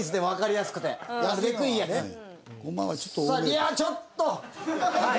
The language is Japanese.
いやちょっと！